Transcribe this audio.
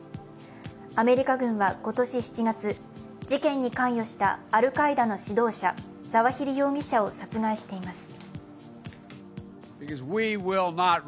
アメリカ軍は今年７月、事件に関与したアルカイダの指導者・ザワヒリ容疑者を殺害しています。